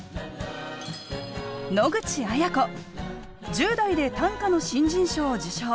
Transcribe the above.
１０代で短歌の新人賞を受賞。